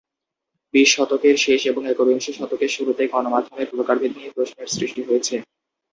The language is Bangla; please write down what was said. বিংশ শতকের শেষ এবং একবিংশ শতকের শুরুতে গণমাধ্যমের প্রকারভেদ নিয়ে প্রশ্নের সৃষ্টি হয়েছে।